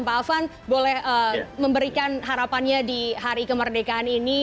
pak afan boleh memberikan harapannya di hari kemerdekaan ini